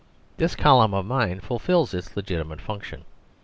This column of mine fulfils its legitimate function.